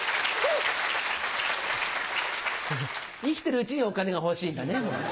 生きてるうちにお金が欲しいんだね。